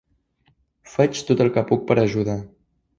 Faig tot el que puc per ajudar.